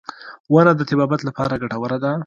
• ونه د طبابت لپاره ګټوره ده.